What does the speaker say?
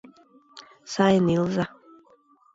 — Сайын илыза!